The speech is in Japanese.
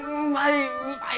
うまい！